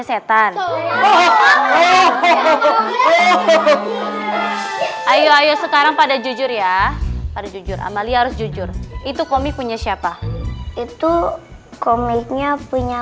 sekarang pada jujur ya pada jujur amalia harus jujur itu komik punya siapa itu komiknya punya